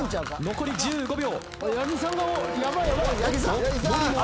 残り１０秒。